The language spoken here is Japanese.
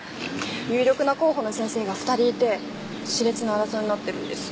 有力な候補の先生が２人いて熾烈な争いになってるんです。